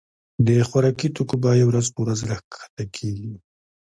د خوراکي توکو بيي ورځ په ورځ را کښته کيږي.